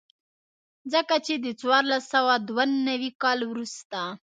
ځکه چې د څوارلس سوه دوه نوي کال وروسته.